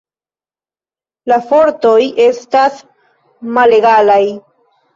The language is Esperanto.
La fortoj estas malegalaj.